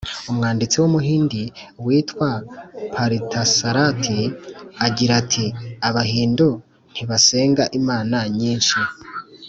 umwanditsi w’umuhindi witwa .parthasarathy agira ati abahindu ntibasenga imana nyinshi.